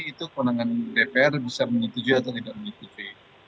itu kewenangan dpr bisa menyetujui atau tidak menyetujui